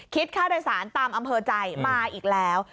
ค่าโดยสารตามอำเภอใจมาอีกแล้ว